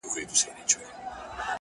څخه چي څه ووايم څنگه درته ووايم چي ـ